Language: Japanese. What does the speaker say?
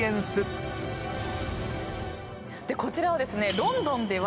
こちらはですね。